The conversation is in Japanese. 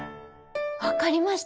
分かりました！